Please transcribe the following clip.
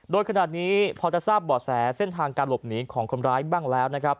โดยขนาดนี้พอจะทราบบ่อแสเส้นทางการหลบหนีของคนร้ายบ้างแล้วนะครับ